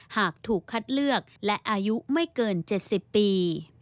หากถูกคัดเลือกและอายุไม่เกิน๗๐ปี